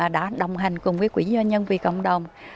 đã đồng hành cùng với quỹ doanh nhân vì cộng đồng